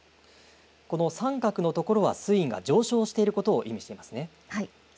この三角のところは水位が上昇していることを意味しています。